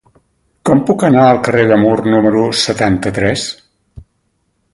Com puc anar al carrer de Mur número setanta-tres?